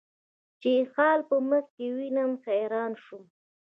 چې یې خال په مخ کې وینم، حیران شوم.